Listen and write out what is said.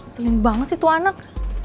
seling banget sih tuh anak